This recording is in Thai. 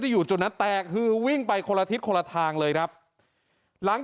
อยู่จุดนั้นแตกคือวิ่งไปคนละทิศคนละทางเลยครับหลัง